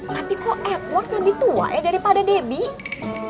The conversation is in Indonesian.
tapi kok edward lebih tua ya daripada debbie